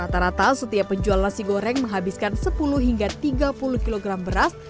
rata rata setiap penjual nasi goreng menghabiskan sepuluh hingga tiga puluh kg beras